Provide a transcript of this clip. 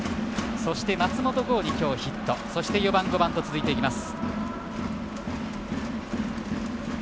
そして、松本剛にヒット４番、５番と続いていきます。